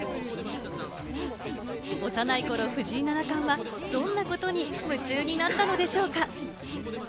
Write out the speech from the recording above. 幼い頃、藤井七冠はどんなことに夢中になったのでしょうか？